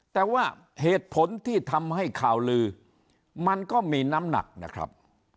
แต่ว่าเหตุผลที่ทำให้ข่าวลือมันก็มีน้ำหนักนะครับ